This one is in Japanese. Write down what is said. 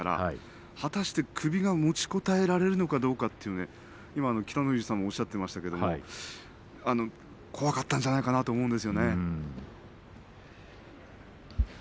果たして首が持ちこたえられるかどうかは今、北の富士さんもおっしゃっていましたが怖かったんじゃないかなと思います。